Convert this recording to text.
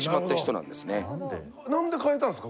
なんで変えたんですか？